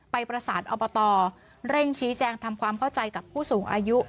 ไปประสานอบตเร่งชี้แจงทำความเข้าใจกับผู้สูงอายุ